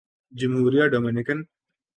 جمہوریہ ڈومینیکن